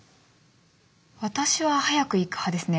私は早く行く派ですね。